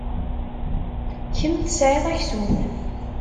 Kemm tesɛid aksum.